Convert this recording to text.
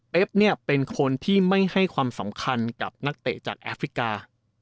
เนี่ยเป็นคนที่ไม่ให้ความสำคัญกับนักเตะจากแอฟริกา